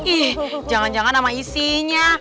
ih jangan jangan nama isinya